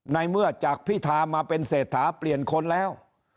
ในเมื่อจากพิธามาเป็นเศรษฐาเปลี่ยนคนแล้ว